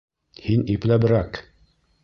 Һин ипләберәк!